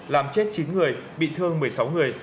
làm chết chín người bị thương một mươi sáu người